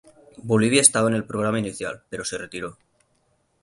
Bolivia estaba en el programa inicial pero se retiró.